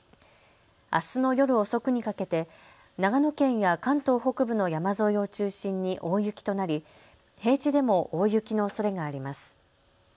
あすの夜遅くにかけて長野県や関東北部の山沿いを中心に大雪となり平地でも大雪のおそれがあります。